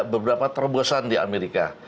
beberapa terbosan di amerika